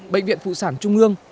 bệnh viện phụ sản trung ương